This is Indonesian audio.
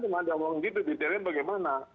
cuma ada uang gitu detailnya bagaimana